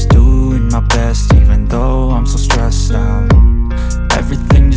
sepertinya mas yusuf terluka